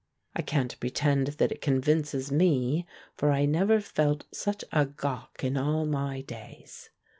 I can't pretend that it convinces me, for I never felt such a gawk in all my days.